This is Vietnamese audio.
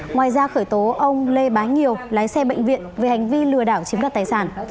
ngoài ra khởi tố ông lê bá nhiều lái xe bệnh viện về hành vi lừa đảo chiếm đoạt tài sản